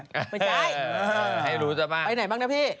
ไม่ใช่ไปไปให้รู้ครับไปไหนบ้างพี่